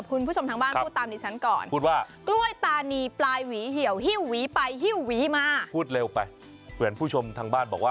ปลายหวีเหี่ยวหิ้วหวีปลายหิ้วหิ้วมาค่ะ